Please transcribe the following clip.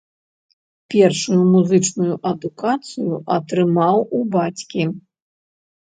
Першую музычную адукацыю атрымаў у бацькі.